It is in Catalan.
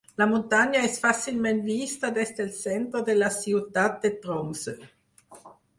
La muntanya és fàcilment vista des del centre de la ciutat de Tromsø.